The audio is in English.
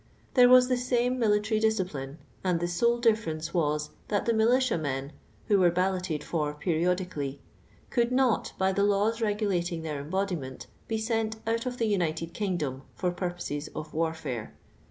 There was the same military discipline, and thit sole ditl'erencc was, that the militui men — who were balloted for periodically — could not, by the laws regulating; their embodiment, be sent out of the United Kingdom for purposes of warfare.